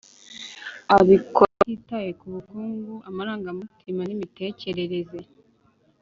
Abikora atitaye ku bukungu amarangamutima n’imitekerereze